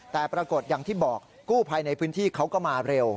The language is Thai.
แต่ปรากฏอย่างที่บอกกู้ภัยในพื้นที่เขาก็มาเร็ว